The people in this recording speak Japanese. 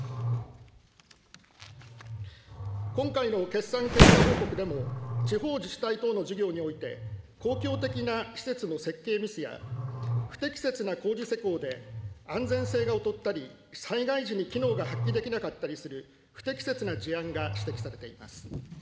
今回の決算検査報告でも、地方自治体等の事業において、公共的な施設の設計ミスや、不適切な工事施工で安全性が劣ったり、災害時に機能が発揮できなかったりする不適切な事案が指摘されています。